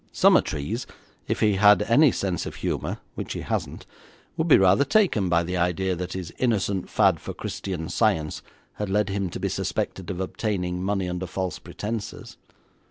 Summertrees, if he had any sense of humour, which he hasn't, would be rather taken by the idea that his innocent fad for Christian Science had led him to be suspected of obtaining money under false pretences.